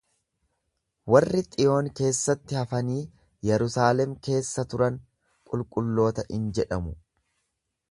Warri Xiyoon keessatti hafanii Yerusaalem keessa turan qulqulloota in jedhamu.